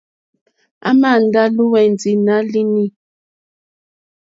À mà ndá lùwɛ̀ndì nǎ línì.